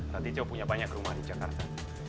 nanti tuh punya banyak rumah di jakarta